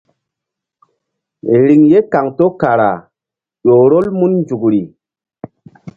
Riŋ ye kaŋto kara ƴo rol mun nzukri.